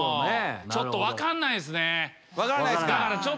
ちょっと分かんないっすね。